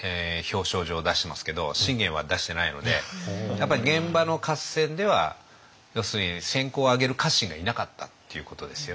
やっぱり現場の合戦では要するに戦功を挙げる家臣がいなかったっていうことですよね。